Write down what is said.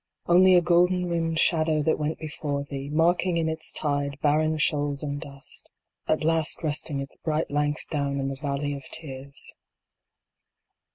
Only a golden rimmed shadow that went before thee, marking in its tide barren shoals and dust. At last resting its bright length down in the valley of tears.